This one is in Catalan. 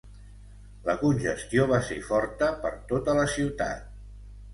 La congestió va ser forta per tota la ciutat.